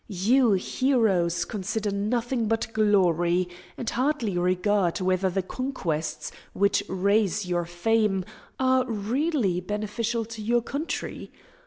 You heroes consider nothing but glory, and hardly regard whether the conquests which raise your fame are really beneficial to your country.